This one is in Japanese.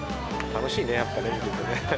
楽しいね、やっぱね。